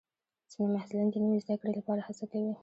ځینې محصلین د نوي زده کړې لپاره هڅه کوي.